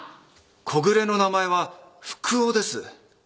木暮の名前は福男です。